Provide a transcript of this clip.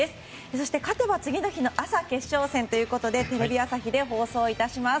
そして勝てば次の日の朝、決勝戦ということでテレビ朝日で放送いたします。